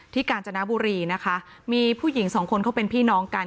กาญจนบุรีนะคะมีผู้หญิงสองคนเขาเป็นพี่น้องกัน